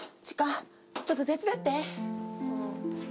ちょっと手伝って。